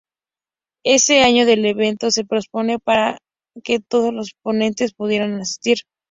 Ese año el evento se pospone "para que todos los ponentes pudieran asistir".